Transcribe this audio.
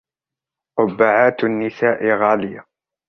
قبعات النساء غالية.